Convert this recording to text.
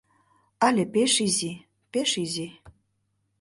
Але пеш изи, пеш изи.